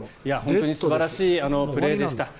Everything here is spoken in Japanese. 素晴らしいプレーでした。